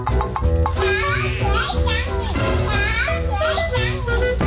สาวเหนือยกันหนึ่ง